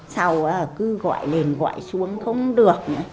sau cứ gọi lên gọi xuống không được